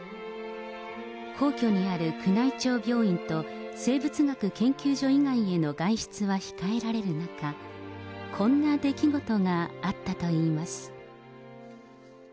皇居にある宮内庁病院と、生物学研究所以外への外出は控えられる中、こんな出来事があったといいます。